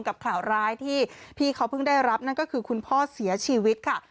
กับข่าวร้ายที่พี่เขาเพิ่งได้รับนั่นก็คือคุณพ่อเสียชีวิตค่ะ